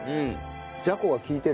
じゃこが利いてる。